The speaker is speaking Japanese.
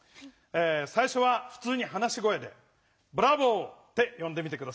さいしょはふつうに話し声で「ブラボー」ってよんでみて下さい。